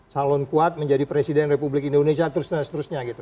salon kuat menjadi presiden republik indonesia terus terusnya gitu